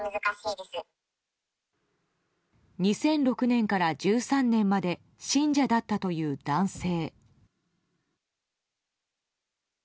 ２００６年から１３年まで信者だったという男性。